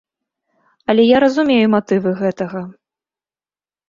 Але я разумею матывы гэтага.